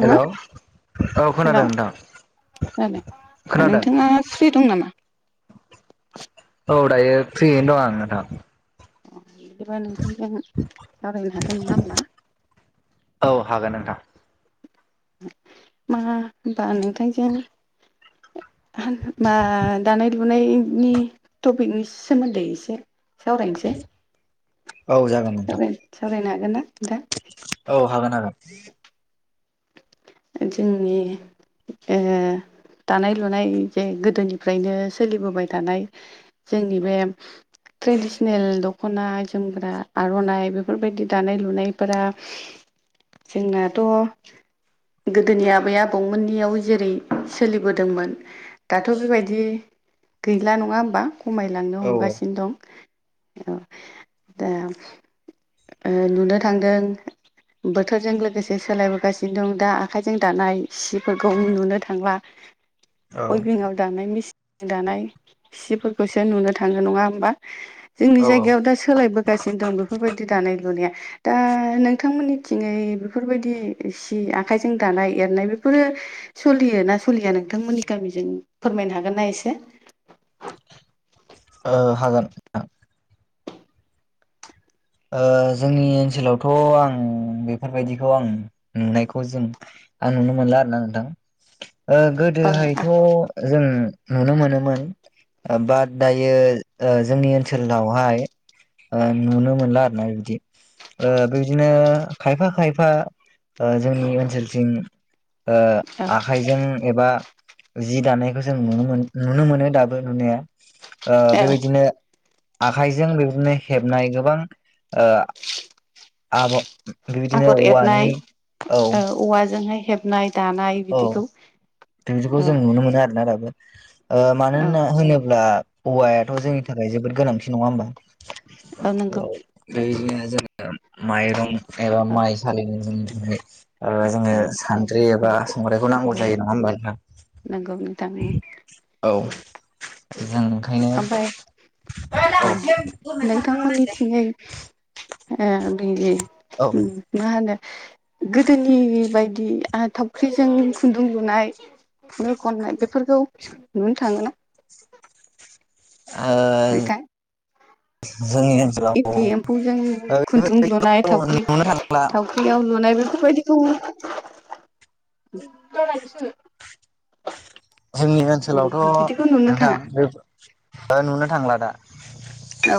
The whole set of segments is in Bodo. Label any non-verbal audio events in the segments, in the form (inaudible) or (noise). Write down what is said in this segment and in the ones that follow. हेल' औ हेलौ खोनादों नोंथां। खोनादों नोंथाङा फ्रि दं नामा? औ दायो फ्रियैनो दं आं नोंथां। बिदिबा नोंथांजों सावरायनो हागोन नङा होनोमब्ला। औ हागोन नोंथां मा होमबा नोंथांजों। मा दानाय लुनायनि टपिकनि सोमोन्दै एसे। सावरायसै। औ जागोन नोंथां। हागोन ना नोंथां? औ हागोन हागोन। जोंनि। दानाय लुनाय जे गोदोनिफ्रायनो सोलिबोबाय थानाय जोंनि बे ट्रेडिसनेल दख'ना जोमग्रा आर'नाइ बेफोरबायदि दानाय लुनायफोरा। जोंनाथ' गोदोनि आबै आबौमोननियाव जेरै सोलिबोदोंमोन दाथ' बेबायदि। गैला नङा होमबा खमायलांनो औ हमगासिनो दं। औ दा नुनो थांदों बोथोरजों लोगोसे सोलायबोगासि नो दा आखाइजों दानाय सिफोरखौ नुनो थांला। औ अइभिंव दानाय मेसिन दानाय सिफोरखौसो नुनो थाङो नङा होमबा। जोंनि औ औ जायगायाव दा सोलायबोगासिनो दं बेफोरबायदि दानाय लुनाया दा नोंथांमोननि थिङै बेफोरबायदि आखाइजों दानाय एरनाय बेफोरो सोलियो ना सलिया नोंथांमोननि गामिजों फोरमायनो हागोन। ना एसे ओ हागोन नोंथां। ओ जोंनि ओनसोलावथ' आं बेफोरबायदिखौ आं नुनायखौ जों। आं नुनो मोनला आरो ना नोंथां। (inaudible) ओ औ गोदोहायथ' आ जों। नुनो मोनोमोन बाट दायो जोंनि ओनसोलावहाय नुनो मोनला आरोना एदि। बेबायदिनो खायफा खायफा जोंनि ओनसोलथिं ओ औ आखाइजों एबा जि दानायखौ जों नुनो मोन नुनो मोनो दाबो नुनाया ओ औ बेबायदिनो आखाइजों बेबायदिनो हेबनाय गोबां आब आगर बेबायदिनो एरनाय औवानि औ औवाजोंहाय हेबनाय दानाय औ बिदिखौ बिदिखौ औ जों नुनो मोनो आरोना दाबो औ मानोना होनोब्ला औवायाथ' जोंनि थाखाय जोबोद गोनांथि नङा होमबा? औ नंगौ दा बिदिनो जोङो माइरं एबा औ माइ सालिनो जोङो आरो जोङो औ औ सानद्रि एबा संग्राइखौ नांगौ नंगौ जायो नङा होमबा नोंथां नंगौ नोंथां औ। जों ओंखायनो औ नोंथांमोननि थिङै ओ बिदि औ ओ मा होनो गोदोनि बायदि थावख्रिजों खुन्दुं लुनाय नै खननाय बेफोरखौ नुनो थाङो ना? ओ इनदि एम्फौजों खुन्दुं लुनाय ओ थावख्रि नुनो थांला थावख्रियाव लुनाय बे फोरबायदिखौ (unintelligible) जोंनि ओनसोलावथ' बिदिखौ नुनो थाङा नोंथां ओ नुनो थांला दा औ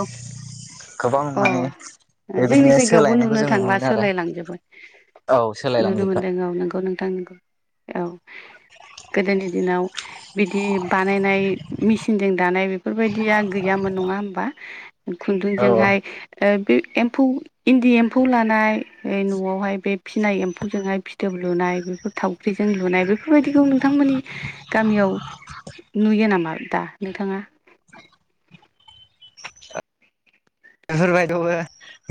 गोबां अ माने जोंनि बेबायदिनो जायगायावबो सोलायनायखौ नुनो जों थांला मोनो आरो सोलाय लांजोबबाय औ नुनो सोलायलांजोबबाय मोनदों औ नोंगौ नोंथां नोंगौ औ गोदोनि दिनाव बिदि बानायनाय मेसिनजों दानाय बेफोरबायदिया गैयामोन नङा होमबा? औ खुन्दुंजोंहाय ओ बे एम्फौ इन्दि एम्फौ लानाय न'आवहाय बे फिनाय एम्फौजोंहाय फिथोब लुनाय बेफोर थावख्रिजों लुनाय बेफोरबायदिखौ नोंथांमोननि गामियाव नुयो नामा दा नोंथाङा बेफोरबायदिबो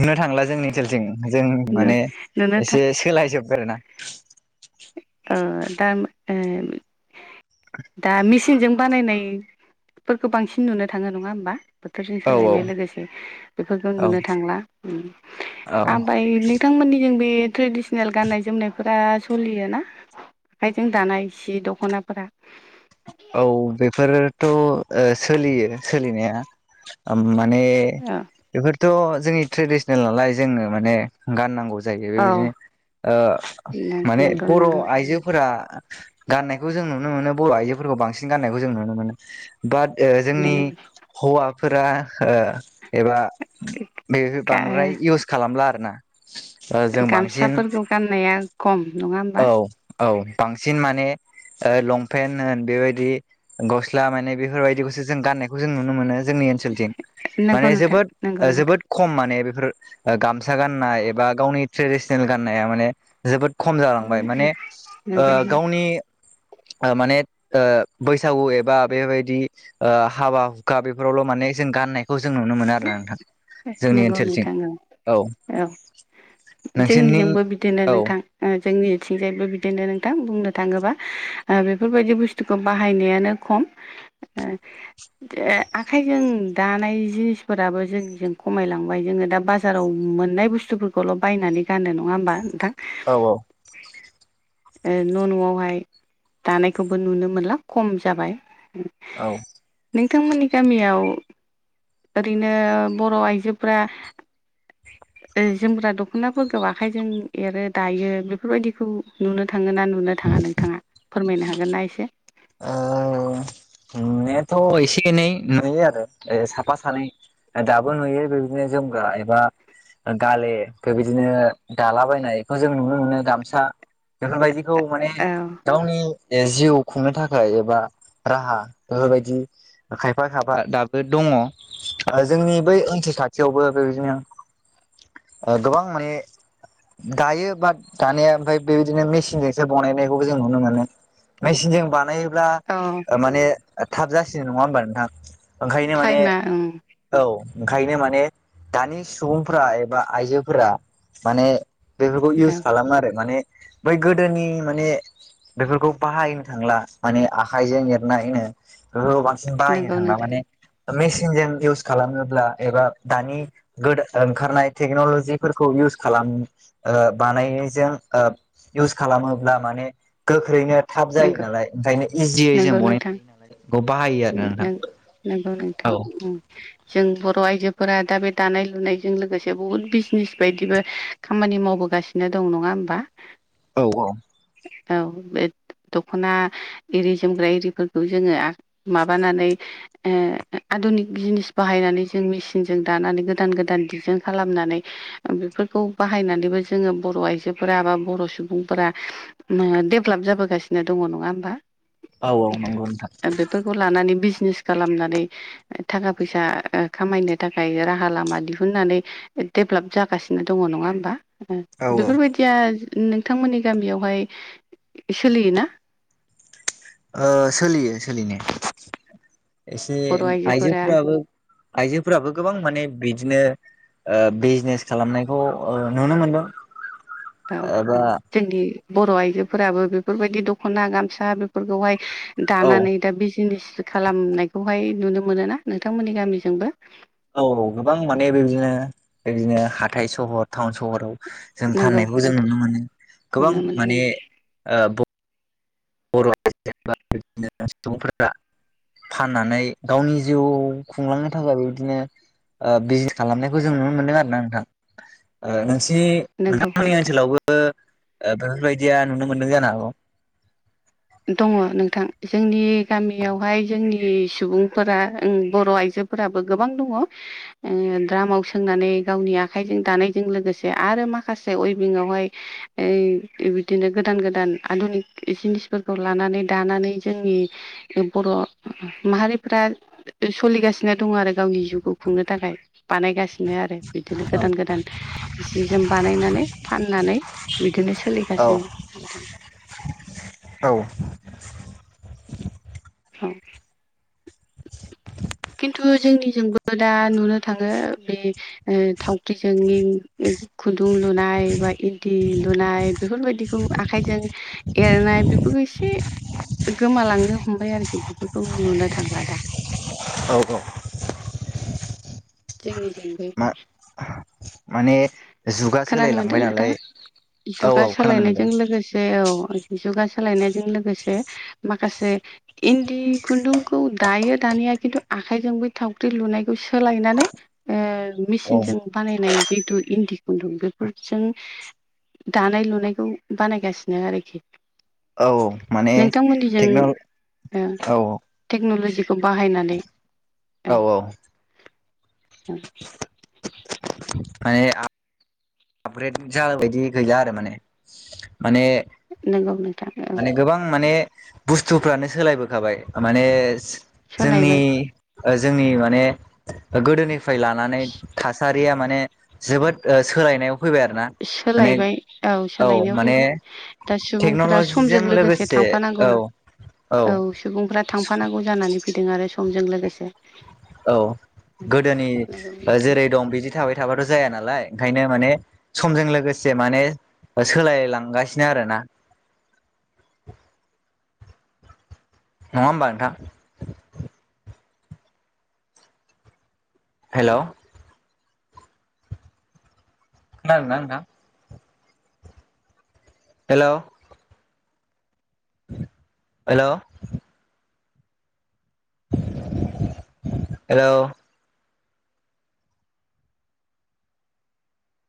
नुनो थांला जोंनि साइडथिं जों माने नुनो था एसे सोलायजोबबाय आरो ना अ दा ओ दा मेसिनजों बानायनायफोरखौ बांसिन नुनो थाङो नङा होमबा? बोथोरजों औ सोलायनाय लोगोसे बेफोरखौ औ नुनो थांला औ आमफ्राय नोंथां बिथांमोननि जों बे ट्रेडिसनेल गाननाय जोमनायफोरा सोलियोना आखाइजों दानाय सि दख'नाफोरा? औ बेफोरोथ' ओ सोलियो सोलिनाया माने औ बेफोरथ' जोंनि ट्रेडिसनेल नालाय जोङो माने गाननांगौ जा जायो औ बेबायदिनो ओ माने नंगौ बर' नंगौ आइजोफोरा गाननायखौ जों नुनो मोनो बर' आइजोफोरखौ बांसिन गाननायखौ जों नुनो मोनो। बाट ओ जोंनि हौवाफोरा ओ एबा बे बांद्राय इउस खालामला आरो ना। गामसाफोरखौ गाननाया खम नङा होन औ औ बांसिन माने ओ लंपेन्ट होन बेबायदि गस्ला माने बेफोरबायदिखौसो जों गान्नायखौ जों नुनो मोनो। जोंनि ओनसोलथिं नंगौ माने नोंथां जोबोद नंगौ ओ नोंथां जोबोद खम माने बे गामसा गाननाय एबा गावनि ट्रेडसनेल गाननाया माने जोबोद ख खम जालांबाय माने ओ नंगौ गावनि (inaudible) ओ माने ओ बैसागु एबा बेबायदि ओ हाबा हुखा बेफोरावल' माने जों गाननाय खौ जों नुनो मोनो आरोना नोंथां जोंनि नंगौ ओनसोलथिं नोंथां औ। नोंसोरनि जोंनिजोंबो बिदिनो औ नोंथां ओ जोंनि थिंजायबो बिदिनो नोंथां बुंनो थाङोबा ओ बेफोरबायदि बुस्थुखौ बाहायनायानो खम। ओ जे आखाइजों दानाय जि फोराबो जोंनिजों खमायलांबाय जोङो दा बाजाराव मोननाय बुस्थुफोरखौल' बायनानै गानो। नङा होमबा नोंथां? औ औ। ओ न' न'वावहाय दानायखौबो नुनो मोनला खम जाबाय। औ। थांमोननि गामियाव ओरैनो बर' आइजोफोरा ओ जोमग्रा दख'नाफोरखौ आखाइजों एरो दायो बेफोरबायदिखौ नुनो थाङो ना नुनो थाङा नोंथाङा फोरमायनो हागोन ना एसे? ओ नुनायाथ' एसे एनै नुयो आरो ओ साफा सानै। दाबो नुयो बेबिदिनो जोमग्रा एबा ओ गाले बेबायदिनो दालाबायनायखौ जों नुनो मोनो। गामसा बेफोरबादिखौ माने औ गावनि जिउ खुंनो थाखाय एबा राहा बेफोरबायदि खायफा खायफा दाबो दङ। ओ जोंनि बै ओनसोल खा खाथियावबो बे बादिनो (inaudible) ओ गोबां माने दायो बाट दानाया ओमफाय बेबायदिनो मेसिनजोंसो बनायनायखौबो जों नुनो मोनो। मेसिनजों बानायोब्ला औ ओ माने ओ थाब जासिनो। नङा होमबा नोंथां? ओंखायनो माने टाइमा ओं औ। ओंखायनो माने दानि सुबुंफ्रा एबा आइजोफोरा माने बेफोरखौ इउस औ खालामो आरो माने बै गोदोनि माने बेफोरखौ बाहायनो थांला माने आखाइजों ए लायनो बेफोरखौ बांसिन बाहायनो नंगौ थांला नोंथां माने ओ मेसिनजों इउस खालामनोब्ला एबा दानि गोदा ओंखारनाय टेक्नलजिफोरखौ इउ इउस खालाम ओ बानायनायजों ओ इउस खालामोब्ला माने गोख्रैनो थाब जायो नालाय ओंखायनो इजियै जों बनाय थां नों नोंगौ नोंथां औ ओं जों बर र' आइजोफोरा दा बे दानाय लुनायजों लोगोसे बुहुद बिजनिस बायदिबो खामानि मावबोगासिनो दं नङा होमबा? औ औ औ बेद दख'ना इरि जोमग्रा एरिफोरखौ जोङो आ माबानानै ओ आथ दुनिक जिनिस बाहायनानै जों मिचिनजों दानानै गोदान गोदान डिजाइन खालामनानै ओ बेफोरखौ खौ बाहायनानैबो जोङो बर' आइजोफोरा बा बर' सुबुंफोरा नुआ डेभ्लाप जाबोगासिनो दङ। नङा होमबा? औ औ नंगौ नोंथां ओ बेफोरखौ लानानै बिज निस खालामनानै थाखा फैसा ओ खामायनो थाखाय राहा लामा दिहुननानै डेभ्लाप जागासिनो दङ। नङा होमबा? ओ औ बेफोरबायदिया नोंथांमोननि गामियावहाय सोलियो ना? ओ सोलियो सोलिनाया। एसे बर' आइजोफोरा आइजोफ्राबो आइजोफोराबो गोबां माने बिदिनो ओ बिजनेस खालामनायखौ ओ नुनो मोनदों। औ एबा जोंनि बर' आइजोफोराबो बेफोरबायदि दख'ना गामसा बेफोरखौहाय औ दानानै दा बिजनेस सो खालाम नायखौहाय नुनो मोनोना नोंथांमोननि गामिजोंबो? औ औ गोबां माने बेबिदिनो बेबिदिनो हाथाय सहर टाउन सहराव जों नंगौ फाननायखौ जों नोंथां नुनो मोनो गोबां नुनो मोनदों माने ओ ब जेनबा बिदिनो सुबुंफोरा फाननानै गावनि जिउ खुंलांनो थाखाय बेबादिनो ओ बिजित खालामनायखौ जों नुनो मोन्दों आरो ना नोंथां ओ नोंसि नंगौ नोंथांंमोननि नोंथां ओनसोलावबो ओ बेफोरबायदिया नुनो मोनदों जानो हागौ। दङ' नोंथां जोंनि गामियावहाय जोंनि सुबुंफोरा ओं बर' आइजोफोराबो गोबां दङ द्रामाव सोंनानै गावनि आखाइजों दानायजों लोगोसे आरो माखासे उइभिङावहाय ओ बिदिनो गोदान गोदान आधुनिक जिनिस फोरखौ लानानै दानानै जोंनि बर' माहारिफोरा सलिगा- सिनो दं आरो गावनि जिउखौ खुंनो थाखाय बानायगा- सिनो आरो बिदिनो औ गोदान गोदान जि जोम बानायनानै फाननानै बिदिनो औ सोलिगासिनो (unintelligible) औ औ (inaudible) खिन्थु जोंनिजोंबो दा नुनो थाङो बे ओ थावख्रिजों खुन्दुं लुनाय बा इन्दि लुनाय बेफोरबायदिखौ आखाइजों एरनाय बेफोरखौ एसे गोमालांनो हमबाय आरोखि बेफोरखौ नुनो थांला दा औ औ जोंनिजोंबो माने जुगा खोनानो मोनदों सोलायलांबाय नोंथाङ नालाय औ जुगा औ खोनानो मोनदों सोलायनायजों लोगोसे औ जुगा सोलायनायजों लोगोसे माखासे इन्दि खुन्दुंखौ दायो दानाया खिन्थु आखाइजोंबो थावख्रि लुनाय सोलायनानै ओ औ मेचिनजों बानायनाय जिथु इनदि बेफोरजों दानाय लुनायखौ बानायगासिनो आरोखि औ माने टेक्न' ओम टेक्न'लजिखौ बाहायनानै औ औ (inaudible) ओमफाय आं आपग्रेड जागोन बायदि गैला आरो माने माने नंगौ नोंथां औ माने गोबां माने बुस्थुफ्रानो सोलायबोखाबाय माने जोंनि सोलायबाय जोंनि माने गोदोनिफ्राय लानानै थासारि दैया माने जोबोद सोलायनायाव फैबाय आरो ना माने सोलायबाय औ सोलायनायाव फैबाय दा सुबुंफोरा समजों टेक्न'लजिजों लोगोसे थांफानांगौ औ औ सुबुंफ्रा थांफानांगौ जानानै फैदों आरो समजों लोगोसे औ गोदोनि नंगौ नोंथां जेरै दं बिदि थाबाय थाबाथ' जाया नालाय ओंखायनो माने समजों लोगोसे माने सोलायलांगासिनो आरोना (inaudible) नङा होमबा नोंथां हेलौ खोनादों ना नोंथां? Hello hello hello